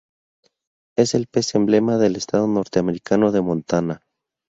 Es el pez emblema del estado norteamericano de Montana.